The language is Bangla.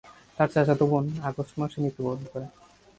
তার চাচাতো বোন আগস্ট মাসে মৃত্যুবরণ করে।